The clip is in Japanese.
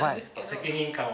責任感を。